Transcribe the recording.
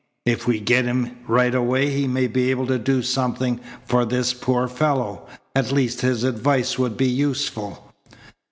If we get him right away he may be able to do something for this poor fellow. At least his advice would be useful."